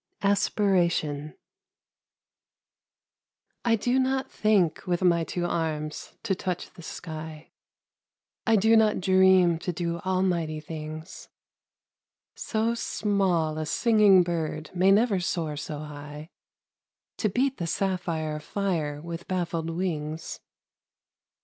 ASPIRATION I do not think with my two arms to touch the sky, I do not dream to do almighty things; So small a singing bird may never soar so high, To beat the sapphire fire with baffled wings.